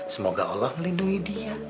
semoga allah melindungi dia